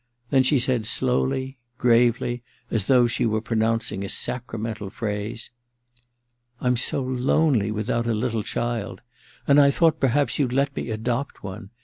Then she said slowly, gravely, as though she were pro nouncing a sacramental phrase :* I'm so lonely without a little child — and I thought perhaps you'd let me adopt one.